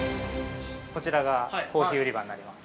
◆こちらがコーヒー売り場になります。